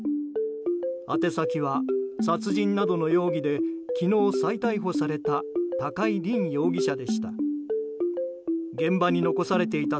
宛先は殺人などの容疑で昨日、再逮捕された高井凜容疑者でした。